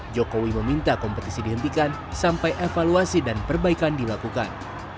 jokowi meminta kompetisi dihentikan sampai evaluasi dan perbaikan dilakukan